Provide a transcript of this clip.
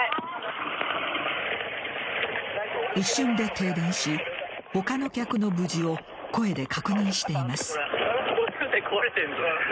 一瞬で停電し、他の客の無事を声で確認しています。